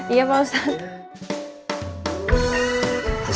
iya pak ustadz